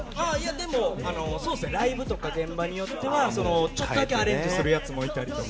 でもそうですね、ライブとか現場によってはちょっとだけアレンジするやつもいたりとか。